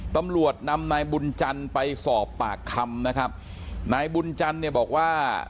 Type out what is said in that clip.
ตำรวจนำนายบุญจันทร์ไปสอบปากคำนะครับนายบุญจันทร์เนี่ยบอกว่า